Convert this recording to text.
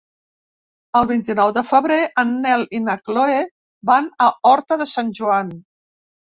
El vint-i-nou de febrer en Nel i na Chloé van a Horta de Sant Joan.